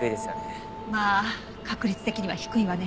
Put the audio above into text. まあ確率的には低いわね。